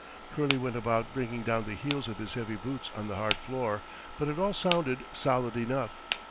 Curley went about bringing down the heels of his heavy boots on the hard floor, but it all sounded solid enough.